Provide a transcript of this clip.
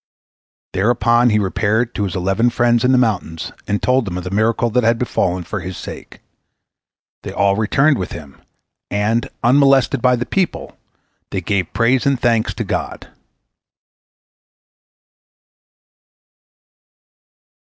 Thereupon he repaired to his eleven friends in the mountains, and told them of the miracle that had befallen for his sake. They all returned with him, and, unmolested by the people, they gave praise and thanks to God.